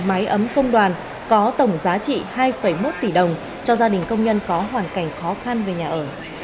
máy ấm công đoàn có tổng giá trị hai một tỷ đồng cho gia đình công nhân có hoàn cảnh khó khăn về nhà ở